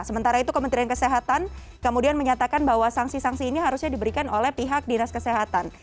sementara itu kementerian kesehatan kemudian menyatakan bahwa sanksi sanksi ini harusnya diberikan oleh pihak dinas kesehatan